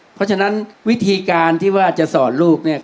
เพราะฉะนั้นวิธีการที่ว่าจะสอนลูกเนี่ย